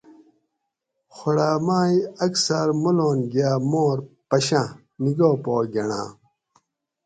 خوڑاٞ مئ اکثاٞر مولان گیاٞ مار پشا نکاح پا گٞنڑاٞں